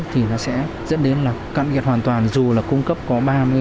thì nó sẽ dẫn đến là căn nghiệp hoàn toàn dù là cung cấp có ba mươi năm mươi